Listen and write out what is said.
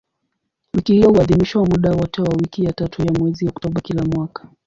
Wiki hiyo huadhimishwa muda wote wa wiki ya tatu ya mwezi Oktoba kila mwaka.